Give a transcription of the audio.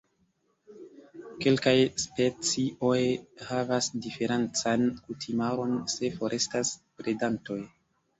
Kelkaj specioj havas diferencan kutimaron se forestas predantoj.